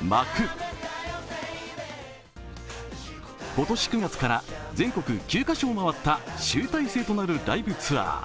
今年９月から、全国９カ所を回った集大成となるライブツアー。